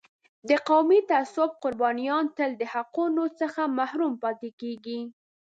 د قومي تعصب قربانیان تل د حقونو څخه محروم پاتې کېږي.